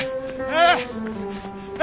ああ！